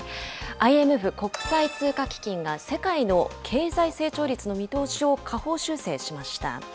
ＩＭＦ・国際通貨基金が、世界の経済成長率の見通しを下方修正しました。